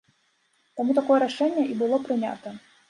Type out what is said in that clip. Таму такое рашэнне і было прынята.